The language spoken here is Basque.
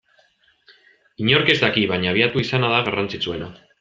Inork ez daki, baina abiatu izana da garrantzitsuena.